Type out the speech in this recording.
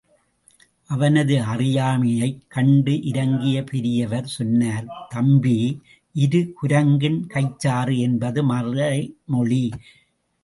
அவனது அறியாமையைக் கண்டு இரங்கிய பெரியவர் சொன்னார்— தம்பி, இரு குரங்கின் கைச்சாறு என்பது மறைமொழி.